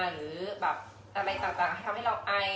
หรืออะไรต่างทำให้เราไอ